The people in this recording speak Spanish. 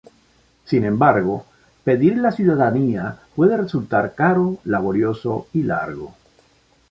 Sin embargo, pedir la ciudadanía puede resultar caro, laborioso y largo.